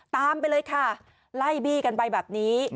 ตามไปเลยค่ะไล่บี้กันไปแบบนี้